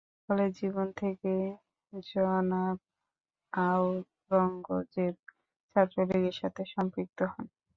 College জীবন থেকেই জনাব আওরঙ্গজেব ছাত্রলীগের সাথে সম্পৃক্ত হন।